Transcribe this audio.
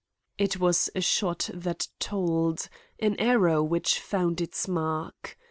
It was a shot that told; an arrow which found its mark.